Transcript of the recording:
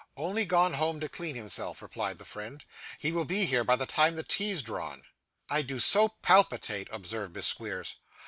'Only gone home to clean himself,' replied the friend. 'He will be here by the time the tea's drawn.' 'I do so palpitate,' observed Miss Squeers.